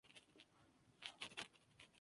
Sartre era al principio redactor jefe.